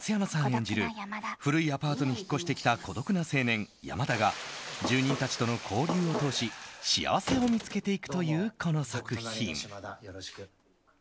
演じる古いアパートに引っ越してきた孤独な青年、山田が住人たちとの交流を通し幸せを見つけていくというこの作品。